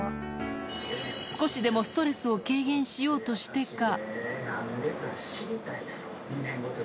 少しでもストレスを軽減しようとしてか。